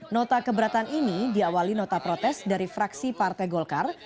nota keberatan ini diawali nota protes dari fraksi partai golkar